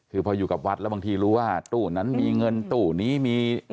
คือพออยู่กับวัดแล้วบางทีรู้ว่าตู้นั้นมีเงินตู้นี้มี